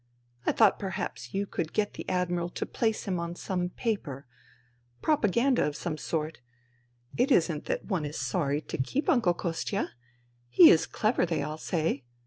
I thought perhaps you could get the Admiral to place him on some paper — propaganda of some sort. It isn't that one is sorry to keep Uncle Kostia. He is clever, they all say.